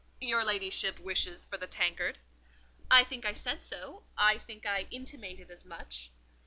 "Your ladyship wishes for the tankard?" "I think I said so. I think I intimated as much."